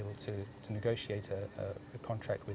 bernegoti dengan pln empat